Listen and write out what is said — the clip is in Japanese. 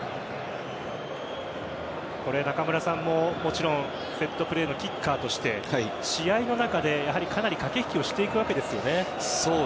中村さんももちろんセットプレーのキッカーとして試合の中でかなり駆け引きをしていくそうですね。